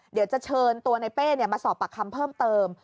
เดี๋ยวจะเชิญตัวในเป้มาสอบปากคำเพิ่มเติม